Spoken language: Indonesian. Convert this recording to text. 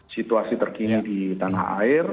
situasi terkini di tanah air